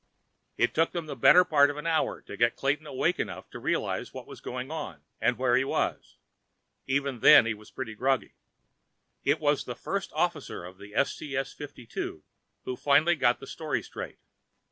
It took them the better part of an hour to get Clayton awake enough to realize what was going on and where he was. Even then, he was plenty groggy. It was the First Officer of the STS 52 who finally got the story straight.